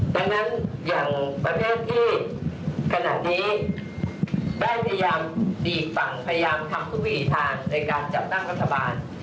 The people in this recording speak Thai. ดังนั้นอย่างประเทศที่ขณะนี้ได้พยายามสี่ฝั่งพยายามทำทุกวิถีทางในการจัดตั้งรัฐบาล